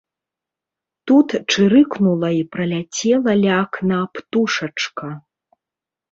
Тут чырыкнула і праляцела ля акна птушачка.